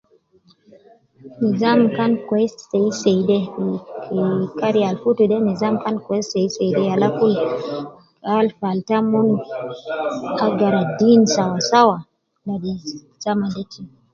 Nizam kan kwess seiseide umm Karni al futu de Nizam kan kwess seiseide yala kul gai falta umon agara dini sawasawa